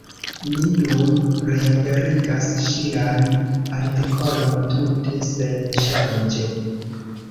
Ni nun reaperigas ŝian artikolon tute senŝanĝe.